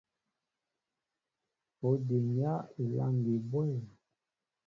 Ó diŋyá elâŋgi bwɛ̂m ?